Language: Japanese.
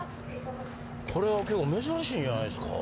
これはけど珍しいんじゃないんですか？